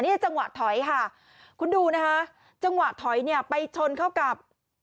นี่คือจังหวะถอยค่ะคุณดูนะคะจังหวะถอยไปชนเข้ากับ